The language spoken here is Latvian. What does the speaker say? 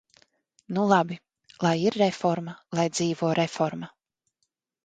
Nu labi, lai ir reforma, lai dzīvo reforma!